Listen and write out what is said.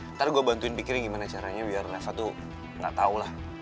ntar gua bantuin pikirin gimana caranya biar reva tuh gak tau lah